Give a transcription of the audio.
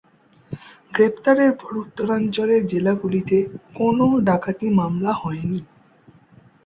গ্রেফতারের পর উত্তরাঞ্চলের জেলাগুলিতে কোন ডাকাতি মামলা হয়নি।